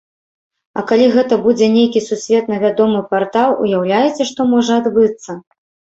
А калі гэта будзе нейкі сусветна вядомы партал, уяўляеце што можа адбыцца!?